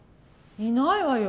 いないわよ。